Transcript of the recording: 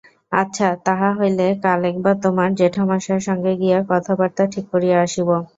আচ্ছা, তাহা হইলে কাল একবার তোমার জেঠামশায়ের সঙ্গে গিয়া কথাবার্তা ঠিক করিয়া আসিব।